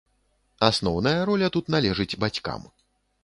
Асноўная роля тут належыць бацькам.